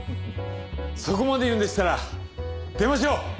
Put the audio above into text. そこまで言うんでしたら出ましょう！